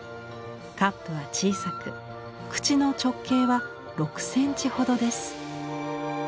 カップは小さく口の直径は６センチほどです。